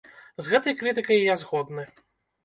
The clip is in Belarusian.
З гэтай крытыкай я згодны.